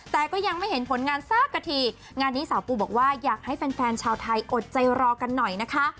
แต่ก็ยังไม่เห็นผลงานสักกะทีงานนี้สาวปูบอกว่าอยากให้แฟนแฟนชาวไทยอดใจรอกันหน่อยนะคะ